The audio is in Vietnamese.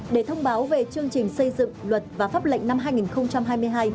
để thông báo về chương trình xây dựng luật và pháp lệnh năm hai nghìn hai mươi hai